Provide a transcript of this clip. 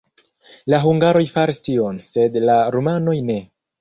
La hungaroj faris tion, sed la rumanoj ne.